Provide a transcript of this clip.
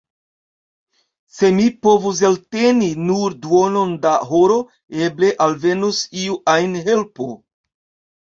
Se mi povus elteni nur duonon da horo, eble alvenus iu ajn helpo!